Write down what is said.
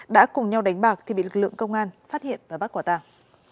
đã cùng nhau đánh bạc thì bị lực lượng công an phát hiện và bắt quả tàng